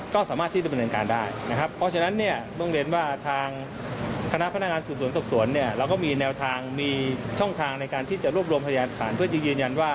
การตายของผู้ตายนั้นมีผลจากอะไร